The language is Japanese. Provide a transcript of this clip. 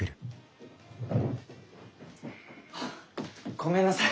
ごめんなさい。